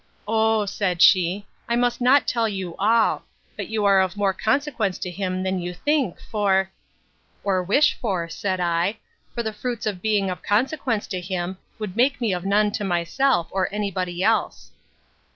O, said she, I must not tell you all; but you are of more consequence to him than you think for—— Or wish for, said I; for the fruits of being of consequence to him, would make me of none to myself, or any body else.